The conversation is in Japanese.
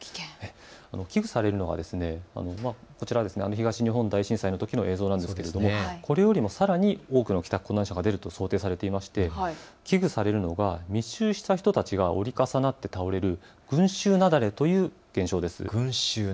危惧されるのは東日本大震災のときの映像ですが、さらに多くの帰宅困難者が出ると想定されていまして危惧されているのが密集した人たちが折り重なって倒れる群衆雪崩という現象です。